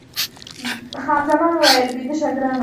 خان زمان وویل، بیده شه ګرانه.